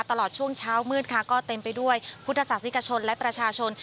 ตลอดช่วงเช้ามืดค่ะก็เต็มไปด้วยพุทธศาสนิกชนและประชาชน